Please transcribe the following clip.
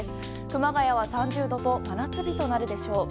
熊谷は３０度と真夏日となるでしょう。